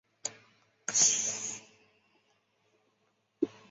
彼得曼冰川是格陵兰岛上的一个冰川。